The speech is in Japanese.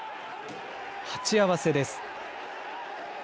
鉢合わせです。